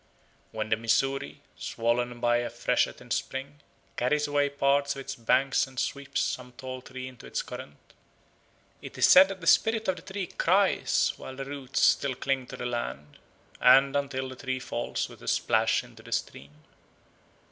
When the Missouri, swollen by a freshet in spring, carries away part of its banks and sweeps some tall tree into its current, it is said that the spirit of the tree cries, while the roots still cling to the land and until the trunk falls with a splash into the stream.